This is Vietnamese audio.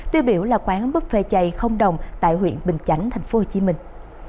tư biểu là quán buffet chay không đồng tại huyện bình chánh thành phố hồ chí minh